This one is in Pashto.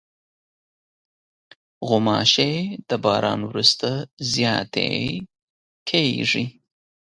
غوماشې د باران وروسته زیاتې کېږي.